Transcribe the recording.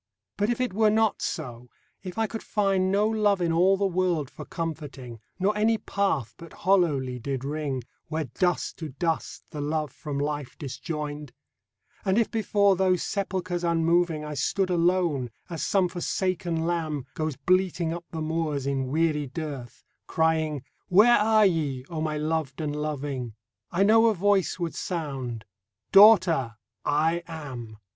But if it were not so, — if I could find No love in all the world for comforting, Nor any path but hollowly did ring, Where "dust to dust"the love from life disjoined And if before those sepulchres unmoving I stood alone (as some forsaken lamb Goes bleating up the moors in weary dearth), Crying, " Where are ye, O my loved and loving?" I know a Voice would sound, " Daughter, I AM.